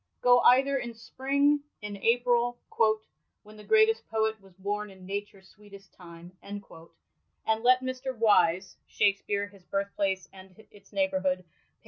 Go either in spring, in April, "when the greatest poet was bom in Nature's sweetest time," and let Mr. Wise (Shakespeare: his Birthplace and its Neighbourhood^ pp.